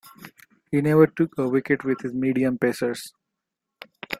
He never took a wicket with his medium pacers.